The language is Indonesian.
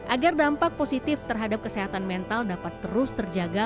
agar dampak positif terhadap kesehatan mental dapat terus terjaga